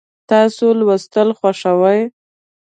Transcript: تاسو لوستل خوښوئ؟